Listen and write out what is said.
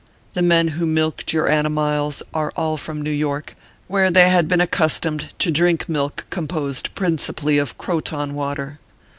The men who milked your animiles are all from New York, where they had been accustomed to drink milk composed principally of Croton water.